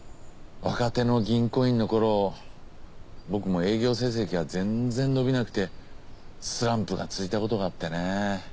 若手の銀行員の頃僕も営業成績が全然伸びなくてスランプが続いたことがあってね。